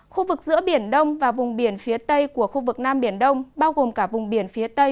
khu vực giữa biển đông và vùng biển phía tây của khu vực nam biển đông bao gồm cả vùng biển phía tây